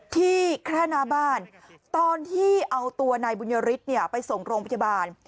แค่หน้าบ้านตอนที่เอาตัวนายบุญยฤทธิ์เนี่ยไปส่งโรงพยาบาล